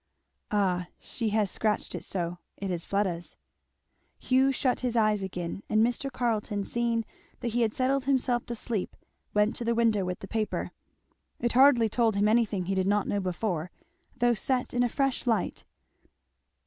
"Ah she has scratched it so. It is Fleda's." Hugh shut his eyes again and Mr. Carleton seeing that he had settled himself to sleep went to the window with the paper. It hardly told him anything he did not know before, though set in a fresh light.